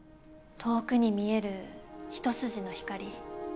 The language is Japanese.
遠くに見える一筋の光。